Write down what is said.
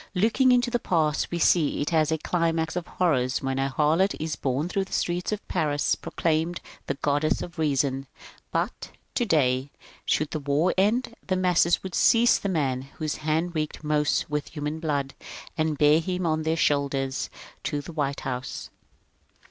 Looking into the past, we see it as a climax of horrors when a harlot is borne through the streets of Paris proclaimed the Goddess of Reason ; but today, should the war end, the masses would seize the man whose hand reeked most with human blood, and bear him on their shoulders to the White House.